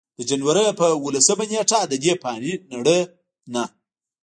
د جنورۍ پۀ اولسمه نېټه ددې فانې نړۍ نه